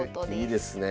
いいですねえ。